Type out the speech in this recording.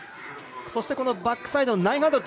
そしてバックサイド９００